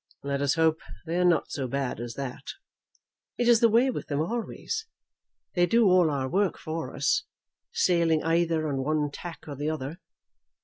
"Let us hope they are not so bad as that." "It is the way with them always. They do all our work for us, sailing either on one tack or the other.